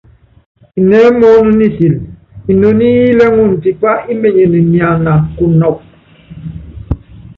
Inɛɛ́ mɔɔ́n nisil, inoní í nulɛŋɔn tipá ímenyen niana kunɔk.